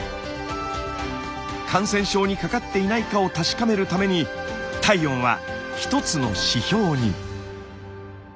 感染症にかかっていないかを確かめるために体温は一つの指標に。